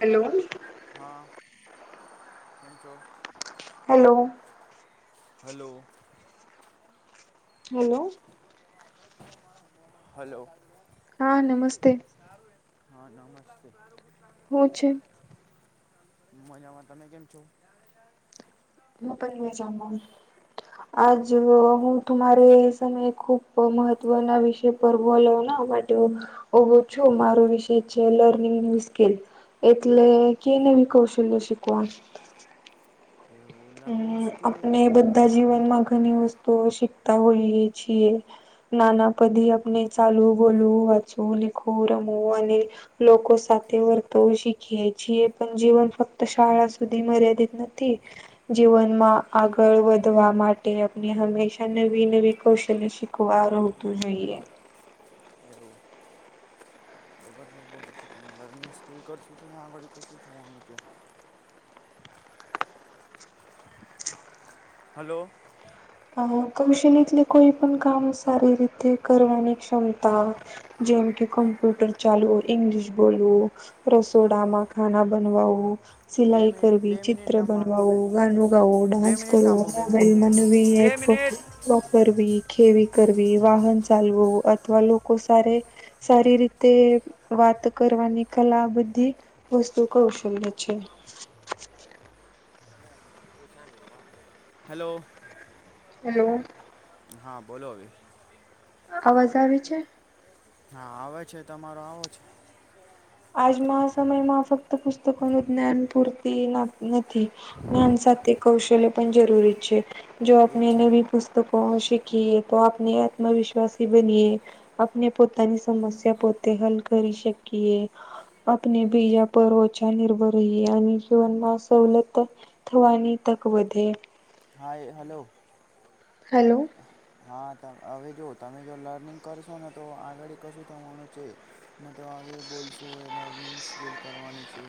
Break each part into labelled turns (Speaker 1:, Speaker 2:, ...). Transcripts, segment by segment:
Speaker 1: Hello.
Speaker 2: હા, કેમ છો?
Speaker 1: હાલો.
Speaker 2: હાલો.
Speaker 1: હાલો.
Speaker 2: હાલો.
Speaker 1: હા નમસ્તે
Speaker 2: હા નમસ્તે.
Speaker 1: હું છે
Speaker 2: મજામાં, તમે કેમ છો?
Speaker 1: હું પણ મજામાં, આજ
Speaker 2: એવું
Speaker 1: હું તુમારે સમય ખુબ મહત્વના વિષય પર બોલો ના માટે ખૂબ ઓછું માર વિશેય છે લર્નિંગ સ્કીલ. એટલે કે નવી કૌશલ્ય શિકવા.
Speaker 2: એવું લર્નિંગ
Speaker 1: ને
Speaker 2: સ્કીલ
Speaker 1: આપણે બધા જીવનમાં ઘણી વસ્તુઓ શીખતા હોઈએ છીએ. નાના પદી આપણે ચાલવુ, બોલવુ, વાચું, લિખું, રમું અને લોકો સાથે વર્તવ શીખી છીએ પણ જીવન ફક્ત શાળા સુધી મર્યાદિત નથી. જીવનમાં આગળ વધવા માટે અને હંમેશા નવી નવી કૌશલ્ય શીખ કવારતું
Speaker 2: એવું
Speaker 1: જોઈએ.
Speaker 2: એવું. [unintelligible] પછી તમે લર્નિંગ સ્કીલ કરશો તો તં આગળ કઈ શું થવાનું છે? હાલો.
Speaker 1: આમ કૌશલ્ય એટલે કોઈ પણ કામ સારી રીતે કરવાની ક્ષમતા. જેમ કે કમ્પ્યુટર ચાલુ હ ઈંગ્લિશ બોલવું, રસોડામાં ખાના બનવુ.
Speaker 2: બે
Speaker 1: સિલાઈ
Speaker 2: મિનિટ
Speaker 1: કરવી,
Speaker 2: બે મિનિટ
Speaker 1: ચિત્ર
Speaker 2: ના મારો આવે
Speaker 1: બનાવા, ગનો ગાવો,
Speaker 2: બે
Speaker 1: ડાન્સ
Speaker 2: મિનિટ
Speaker 1: કરવો,
Speaker 2: થાંભો બે મિનિટ
Speaker 1: મોબાઈલમાં
Speaker 2: બે મિનિટ
Speaker 1: [inaudible] કરવી, ખેવી કરવી, વાહન ચાલવું અથવા લોકો સાર સારી રીતે વાત કરવાની કલા બધી વસ્તુ કૌશલ્ય છે.
Speaker 2: [inaudible] હાલો.
Speaker 1: હાલો.
Speaker 2: હા બોલો અભી.
Speaker 1: અવાજ આવે છે?
Speaker 2: હા આવે છે તમારો આવો છે. [inaudible]
Speaker 1: આજમાં સમયમાં ફક્ત પુસ્તકોનું જ્ઞાન પૂરતી નથી. જ્ઞાન સાથે કૌશલ્ય પણ જરૂરી છે, જો
Speaker 2: એ જ
Speaker 1: આપણે
Speaker 2: છે ને
Speaker 1: નવી પુસ્તકો શીખીએ તો આપણે આત્મવિશ્વાસ બનીએ. આપણે પોતાની સમસ્યા પોતે હલ કરી શકીએ. આપણે બીજા પર નિર્ભર રહી અને જીવનમાં સવલત થવાની તક વધે.
Speaker 2: Hi hello.
Speaker 1: હાલો.
Speaker 2: હા, હવે જો તમે જો લર્નિંગ કરશો ને તો આગળ કશું થવાનું છે. ન તો હવે બોલશો લર્નિંગ સ્કીલ કરવાની છે.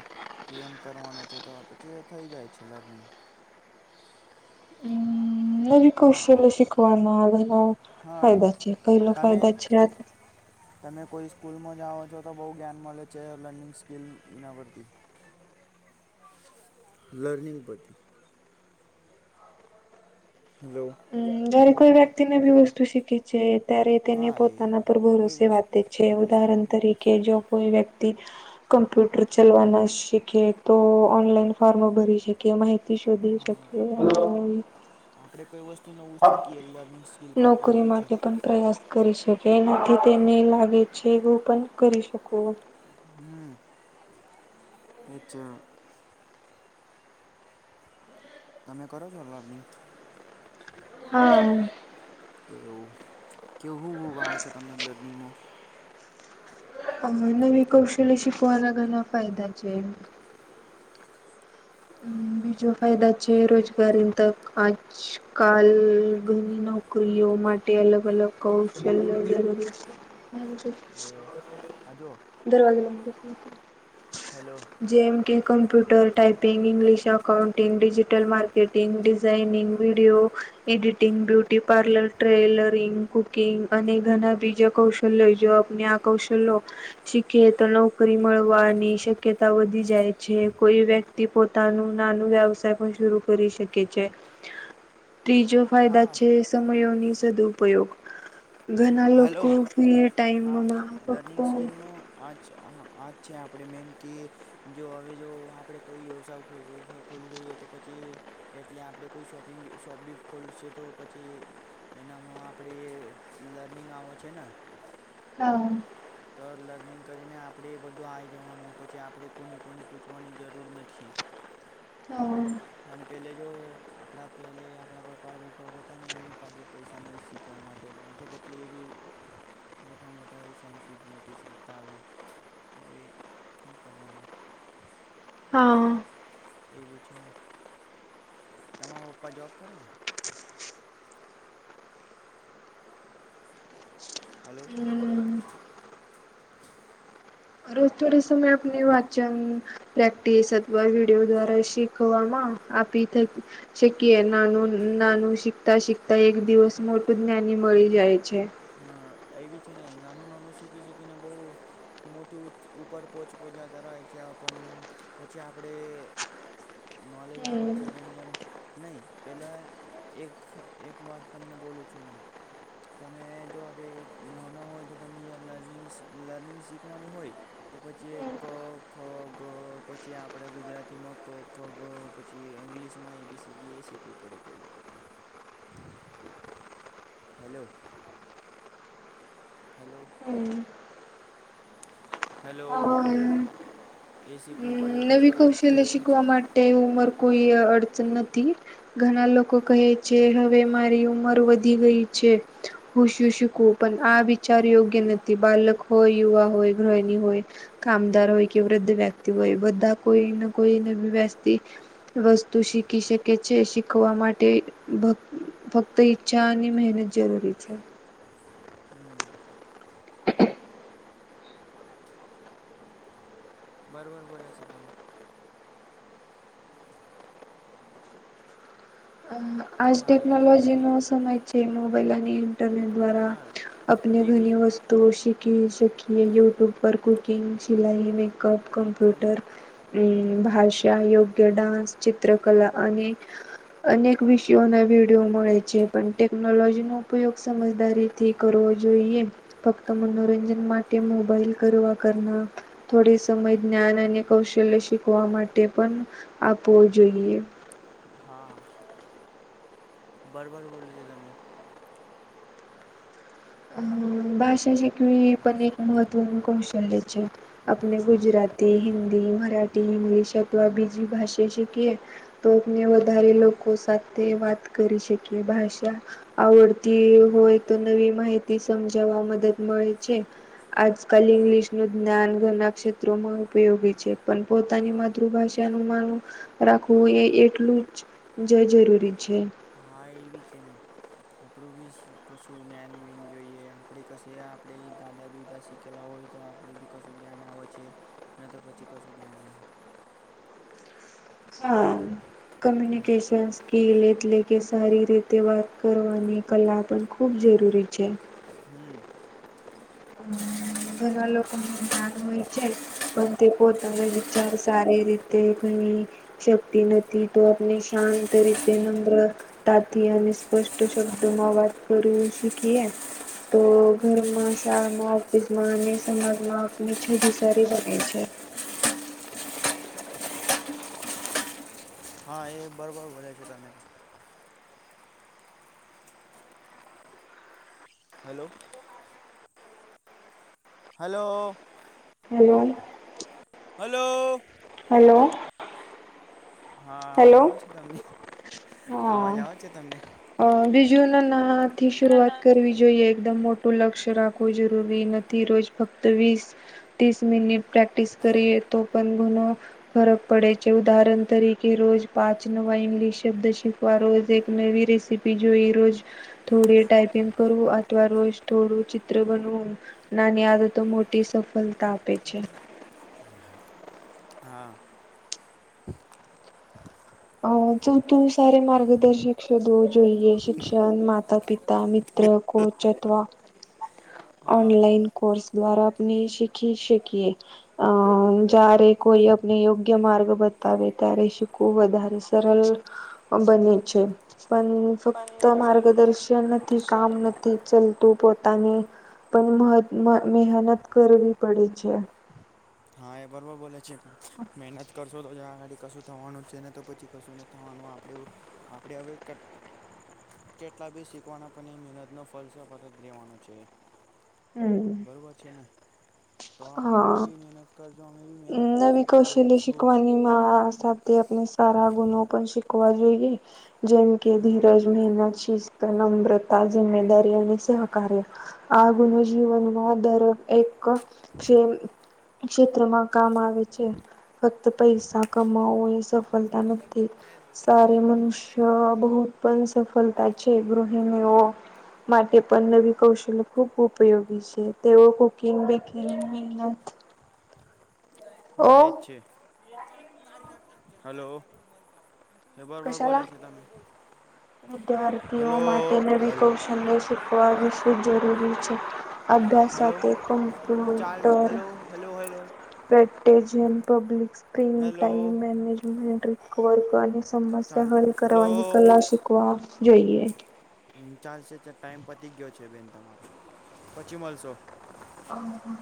Speaker 2: કેમ કરવાનું છે તો પછી એ થઈ જાય છે લર્નિંગ.
Speaker 1: હ [unintelligible]
Speaker 2: હા
Speaker 1: કૌશલ્ય શિખવાનો એનો.
Speaker 2: હા
Speaker 1: ફાયદા છે
Speaker 2: તમે
Speaker 1: [unintelligible]
Speaker 2: તમે કોઈ સ્કૂલમાં જાઓ છો તો બહુ જ્ઞાન મળે છે લર્નિંગ સ્કીિલ એના પરથી લર્નિંગ પરથી હલો
Speaker 1: હા જ્યારે કોઈ વ્યક્તિ ને બી વસ્તુ શીખી છે ત્યારે તેને
Speaker 2: હા એ
Speaker 1: પોતાના પર
Speaker 2: કોઈ
Speaker 1: ભરોસે
Speaker 2: વસ્તુ
Speaker 1: વાતે જ છે
Speaker 2: કોઈ વસ્તુ
Speaker 1: ઉદાહરણ
Speaker 2: આપ
Speaker 1: તરી કે જો કોઈ વ્યક્તિ કમ્પ્યુટર ચાલવાના શીખે તો ઓનલાઈન ફોર્મો ભરી શકે [unintelligible] શોધી
Speaker 2: હા,
Speaker 1: શક્યો [unintelligible]
Speaker 2: આપણે કોઈ વસ્તુ નવું શીકીએ લર્નિંગ સ્કીલ પરથી
Speaker 1: નોકરી
Speaker 2: એબી છે.
Speaker 1: માટે પણ પ્રયાસ કરી શકે એનાથી તેને લાગે છે એવું પણ કરી શકો.
Speaker 2: હમ્મ. [unintelligible] [unintelligible] તમે કરો છો લર્નિંગ
Speaker 1: હા
Speaker 2: કે એવું. કે હું હું આવો છો તમને લર્નિંગમાં
Speaker 1: મને ભી કૌશલ્ય શિખવાના ઘણા ફાયદા છે. બીજો ફાયદા છે રોજગારી ન તક આ કાલ [unintelligible] નોકરીઓ માટે અલગ અલગ કૌશલ્ય જરૂરી છે. મારુ જે
Speaker 2: આ જો
Speaker 1: દરવાજો બંધ કરતી [unintelligible]
Speaker 2: હલો
Speaker 1: જેમ કે computer type [unintelligible] English accounting, digital marketing, designing, video editing, beauty parlour, tailoring, cooking અને ઘણા બીજા કૌશલ્ય જો આપને આ કૌશલો શીખે તો નોકરી મળવાની શક્યતા વધી જાય છે કોઈ વ્યક્ ક્તિ પોતાનું નાનું વ્યવસાય પણ શુરૂ કરી શકે છે. ત્રીજો ફાયદા
Speaker 2: હા
Speaker 1: છે સમયોની સદુપયોગ ઘણા
Speaker 2: હા હલો
Speaker 1: લોકો ફ્રી
Speaker 2: હા
Speaker 1: ટાઈમમાં ફક્ત
Speaker 2: લર્નિંગ સ્કિલમાં આજ હ આજ છે આપણે મેન કે જો હવે જો આપડે કોઈ વ્યવસાય કોઈ વ્યવસાય ખોલી જોઈએ તો પછી એટલે આપણે કોઈ શોપિંગ શોપ બી ખોલશે તો પછી એનામાં આપણે લર્નિંગ આમાં છે ને.
Speaker 1: હા.
Speaker 2: તો લર્નિંગ કરીને આપણે એ બધું આઇ જવાનું પછી આપણે કોની કોની પૂછવાની જરૂર નથી.
Speaker 1: હમ
Speaker 2: અને પેલે જો આપડા પહેલે આપણા પપ્પા બીપ્પા હોતા ને એમની પાસે પૈસા નહીં શીખ ખવા માટે તો પછી એ બી મોટા મોટા એ સાયન્ટિસ્ટ બિન્ટિસ્ટ રહેતા, હવે હું કરવાનું?
Speaker 1: હા હા
Speaker 2: એ બી છે, તમાર પપ્પા જોબ કરે છે? હલો
Speaker 1: હમ રોજ થોડો સમય આપણે વાચન પ્રેક્ટિસ અથવા વિડીયો દ્વારા શીખવામાં આપીતી શકીએ, નાનું નાનું શીખતા શીખતા એક દિવસ મોટું જ્ઞાની મળી જાય છે.
Speaker 2: હા, એ બી છે ને, નાનું નાનું શીખી શીખીને બહુ મોટી ઉપર પોહોચપહચતા રહે છે પણ પછી આપણે નોલેજ આવે
Speaker 1: હમ.
Speaker 2: છે જેમ જેમ, નહી પેલા એક, એક વાત તમને બોલું છું મેં તમે જો હવે નાના હોય, તો તમને જ લર્નિંગ, લર્નિંગ શીખવાની હોય તો પછી ક, ખ, ગ પછી આપણે ગુજરાતીમાં ક, ખ, ગ પછી ઇંગ્લિશમાં એ, બી, સી, ડી એ શીખવું પડે પહેલે હેલો હલો હલો
Speaker 1: હમ. નવી કૌશલ્ય શીખવા
Speaker 2: પછી
Speaker 1: માટે ઉમર કોઈ અડચણ નથી ઘણા લોકો કહે છે, હવે મારી ઉંમર વધી ગઈ છે હુશું શીખવું? પણ આ વિચાર યોગ્ય નથી, બાલક હોય, યુવા હોય, ગ્રહની હોય કામદાર હોય કે વૃદ્ધ વ્યક્તિ હોય, બધા કોઈને કોઈ વ્યવસથી વસ્તુ શીખી શકે છે શીખવા માટે ભગ ફક્ત ઈચ્છા અને મહેનત જરૂરી છે
Speaker 2: હમ બરોબર બોલે છે તમે
Speaker 1: આજ
Speaker 2: હા એ
Speaker 1: ટેકનોલોજીનો સમય જે મોબાઈલ અને ઇન્ટરનેટ દ્વારા
Speaker 2: હા
Speaker 1: આપને
Speaker 2: એ બી
Speaker 1: ઘની વસ્તુ તો શીખી શકીએ યુટુબ પર કૂકિંગ, સી, મે કપ
Speaker 2: એ જ છે ને
Speaker 1: કમપ્યુટર, ભાષા, યોગ્ય ડાન્સ, ચિત્રકલા અને અને વિષયોના વિડીયો મળે છે, પણ ટેકનોલોજીનો ઉપયોગ સમજદારીથી કરવો જોઈએ. ફક્ત મનોરંજન માટે મોબાઈલ કરવા કરના થોડી સમય જ્ઞાન અને કૌશલ્ય શીખવા માટે પણ આપવો જોઈએ
Speaker 2: હા, બરોબર બોલ છે, તમે
Speaker 1: ભાષા શિકવી, એ પણ એક મહત્ત્વનું કૌશલ્ય છે આપને
Speaker 2: હા
Speaker 1: ગુજરાત તી, હિન્દી, મરાઠી, ઇંગ્લિશ અથવા બીજી ભાષા શીખીએ તો આપને વધારે લોકો સાથે વાત કરી શકીએ, ભાષા આવડતી હોય તો નવી માહિતી સમજાવવા મદદ મળે છે આજકાલ ઇંગ્લિશ નું જ્ઞાન ઘના ક્ષેત્રોમાં ઉપયોગી છે, પન પોતાની
Speaker 2: હા
Speaker 1: માતૃભાષા નું માનું રાખવું, એ એટલું જ જ જરૂરી છે
Speaker 2: હા, એ બી છે નહીં. આપણું બી કશું જ્ઞાન વિન જોઈએ, આપડે કશે આપણેે, દાદા બીધા શીખ અકેલા હોય તો આપણે બી કશું જ્ઞાન આવે છે, ને તો પછી કશું જ્ઞાન નહીં આવતું
Speaker 1: હા,
Speaker 2: આવતું.
Speaker 1: કમ્યુનિકેશનસ સ્કીલ એટલે કે સારી રીતે વાત કરવાની કલા પણ ખૂબ જરૂરી છે.
Speaker 2: હમ
Speaker 1: અમ ઘના લોકોને જ્ઞાન હોય છે. પન તે પોતાના વિચાર સારી રીતે કઈ શકતી નથી, તો આપને શાંત રીતે નમ્ર તાથી અને સ્પષ્ટ શબ્દોમાં વાત કરવી છીએકે તો ઘરમાં શાળામાં, ઓફિસ માં અને સમાજમાં આપની છભિ સારી બને છે.
Speaker 2: હા એ બરોબર બોલયા છો તમે hello hello
Speaker 1: hello
Speaker 2: hello
Speaker 1: hello
Speaker 2: હા અવાજ આવ છે તમને અવાજ
Speaker 1: હા
Speaker 2: આવે છે તમને
Speaker 1: અ બીજું ના ના થી શરૂઆત કરવી જોઈએ એકદમ મો લક્ષ્ય રાખવું જરૂરી નથી. રોજ ફક્ત વીસ તીસ મિનિટ પ્રેક્ટિસ કરીએ તો પણ ઘુણો ફરક પડે છે. ઉદાહરણ તરી કે રોજ પાંચ નવા ઇંગ્લિશ શબ્દ શીખવા રોજ એક નવી રેસીપી જોઈ રોજ થોડી ટાઈપિંગ કરું આથવા રોજ થોડું ચિત્ર બનવું નાની આદતો તો મોટી સફળતા આપે છે.
Speaker 2: [unintelligible] હા
Speaker 1: [unintelligible] તું સારો માર્ગદર્શક શોધવો જોઈએ શિક્ષણ માતા- પિતા મિત્ર કોચ અથવા
Speaker 2: હા. હા
Speaker 1: ઓનલાઈન કોર્સ દ્વારા આપણે શીખી શકીએ અ જ્યારે કોઈ અને યોગ્ય માર્ગ બતાવે ત્યારે શીકું વધારે સરળ બને છે, પણ ફક્ત માર્ગદર્શન નથી કામ નથી ચાલતું પોતાની પણ મહેનત કરવી પડે છે.
Speaker 2: હા એ બરોબર બોલે છે. મહેનત કરશો તો જ અગાડી કશું થવાનું છે ને તો પછી કશું ન થવાનું આપણે આપણે હવે કેટલા બી શીખવાના પણ મહેનતનો ફલ સાપરત રહેવાનો છે.
Speaker 1: હમ.
Speaker 2: બરોબર છે ને તો તમે
Speaker 1: હા
Speaker 2: બી મહેનત કરજો અમે બી મહેનત
Speaker 1: નવી
Speaker 2: કરશું કઈ
Speaker 1: કૌશલ્ય
Speaker 2: બનશું
Speaker 1: શિકવાની મા સાથે આપ સારા ગુણ પણ શીખવા જોઈએ જેમ કે
Speaker 2: હા
Speaker 1: ધીરજ મહેનત શિસ્ત, નમ્રતા, જિમ્મેદારી અને સહકાર્ય આ ગુણ જીવનમાં દર એક ક્ ક્ષેત્રમાં કામ આવે છે. ફક્ત પૈસા કમાવો એ સફળતા નથી સારી મનુષ્ય બહુપન સફલતા છે. ગૃહણીઓ માટે પણ નવી કૌશલ્ય ખૂબ ઉપયોગી છે. તેઓ કુકિંગ બકિંગ મનત
Speaker 2: હા એ જ છે હલો એ બરોબર
Speaker 1: કશાલા
Speaker 2: બોલ્યા છે તમે
Speaker 1: વિદ્યાર્થીઓ
Speaker 2: હલો
Speaker 1: માટે નવી
Speaker 2: હલો
Speaker 1: કૌશલ્ય શીખવા વિશે જરૂરી છે. અભ્યાસ
Speaker 2: હલો
Speaker 1: સાથે
Speaker 2: ચાલ hello hello hello
Speaker 1: પ્રટેજન, public screen, time
Speaker 2: hello
Speaker 1: management recover અને સમસ્યા
Speaker 2: ચાલ
Speaker 1: હલ
Speaker 2: હલો
Speaker 1: કરવાની કલા શીખવા જોઈએ
Speaker 2: હ ચાલશે ચાલ ટાાઈમ પતી ગયો છે બેન તમારો પછી મળશો
Speaker 1: હ